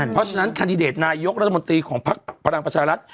เพราะฉะนั้นแคนดิเดตนายกรัฐมนตรีของภักดิ์พลังประชารัฐ